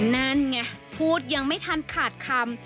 นั่นไงพูดยังไม่ทันขาดคำ